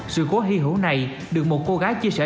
sự cố hy hữu này được một cô gái chia sẻ